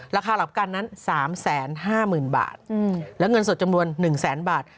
ราคาหลับกันนั้น๓๕๐๐๐บาทและเงินสดจำนวน๑แสนบาท